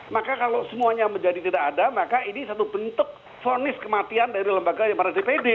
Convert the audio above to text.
maka kalau semuanya menjadi tidak ada maka ini satu bentuk vonis kematian dari lembaga yang pada dpd